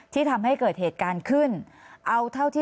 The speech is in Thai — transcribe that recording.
คุณประทีบขอแสดงความเสียใจด้วยนะคะ